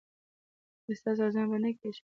ایا ستاسو اذان به نه کیږي؟